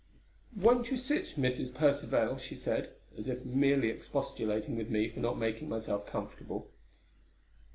"Won't you sit, Mrs. Percivale?" she said, as if merely expostulating with me for not making myself comfortable.